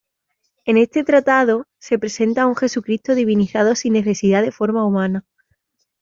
En este tratado, se presenta a un Jesucristo divinizado sin necesidad de forma humana.